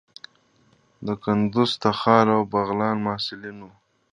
د کندوز، تخار او بغلان محصلین وو.